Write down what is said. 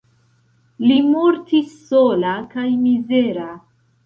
Li mortis sola kaj mizera.